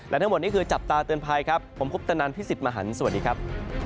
และทั้งหมดนี้คือจับตาเตือนภัยครับผมคุปตนันพี่สิทธิ์มหันฯสวัสดีครับ